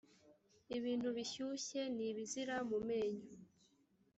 ibintu bishyushye ni ibizira mu menyo